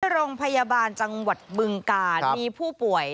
โรงพยาบาลจังหวัดบึงกาลมีผู้ป่วย